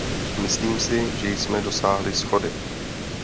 Myslím si, že jsme dosáhli shody.